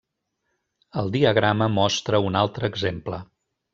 El diagrama mostra un altre exemple.